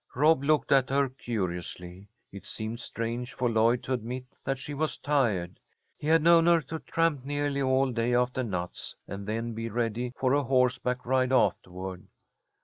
Rob looked at her curiously. It seemed strange for Lloyd to admit that she was tired. He had known her to tramp nearly all day after nuts, and then be ready for a horseback ride afterward.